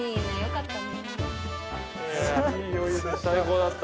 最高だった。